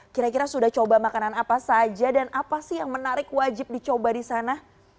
kira kira sudah coba makanan apa saja dan apa sih yang menarik wajib dicoba di sana